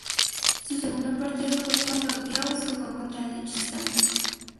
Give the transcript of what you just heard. Su segundo partido fue cuándo Gales jugo contra Liechtenstein.